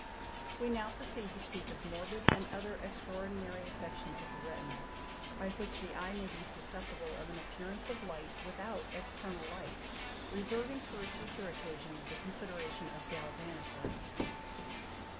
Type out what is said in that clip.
We now proceed to speak of morbid and other extraordinary affections of the retina, by which the eye may be susceptible of an appearance of light without external light, reserving for a future occasion the consideration of galvanic light.